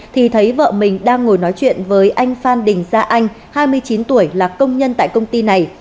thì thấy vợ mình đang ngồi nói chuyện với anh phan đình gia anh hai mươi chín tuổi là công nhân tại công ty này